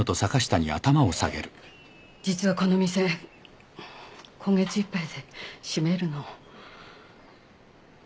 実はこの店今月いっぱいで閉めるの。